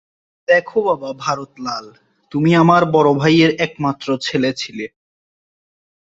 দেখো বাবা ভারত লাল, তুমি আমার বড় ভাইয়ের একমাত্র ছেলে ছিলে।